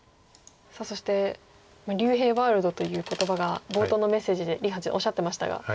さあそして竜平ワールドという言葉が冒頭のメッセージで林八段おっしゃってましたが。